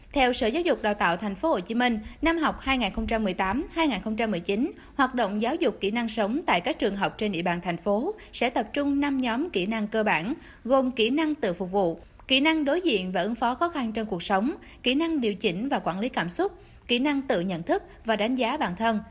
theo sở giáo dục đào tạo tp hcm năm học hai nghìn một mươi tám hai nghìn một mươi chín hoạt động giáo dục kỹ năng sống tại các trường học trên địa bàn thành phố sẽ tập trung năm nhóm kỹ năng cơ bản gồm kỹ năng tự phục vụ kỹ năng đối diện và ứng phó khó khăn trong cuộc sống kỹ năng điều chỉnh và quản lý cảm xúc kỹ năng tự nhận thức và đánh giá bản thân